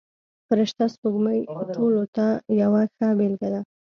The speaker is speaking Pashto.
فرشته سپوږمۍ ټولو ته یوه ښه بېلګه ده.